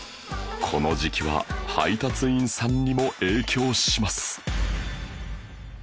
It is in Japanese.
この時期は配達員さんにも影響します